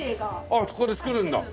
ああここで作るんだ。